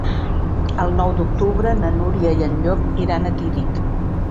El nou d'octubre na Núria i en Llop iran a Tírig.